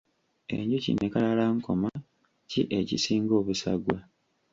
Enjuki ne kalalankoma ki ekisinga obusagwa?